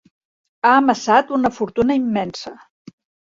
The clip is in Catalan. Ha amassat una fortuna immensa.